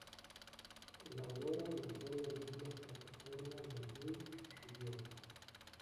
El Aurora montó la misma plataforma del Buick Riviera.